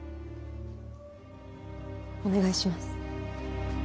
お願いします。